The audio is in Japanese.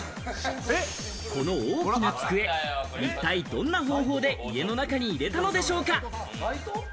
この大きな机、一体どんな方法で家の中に入れたのでしょうか？